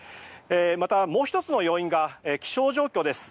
また、もう１つの要因が気象状況です。